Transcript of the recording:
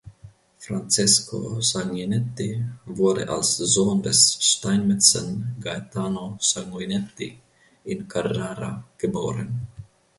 Francesco Sanguinetti wurde als Sohn des Steinmetzen Gaetano Sanguinetti in Carrara geboren.